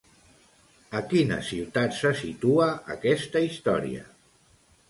A quina ciutat se situa aquesta història?